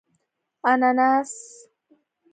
🍍 انناس